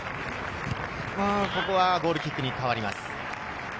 ここはゴールキックに変わります。